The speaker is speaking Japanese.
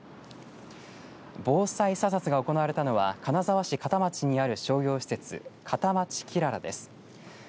防災査察が行われたのは金沢市片町にある商業施設片町きららです。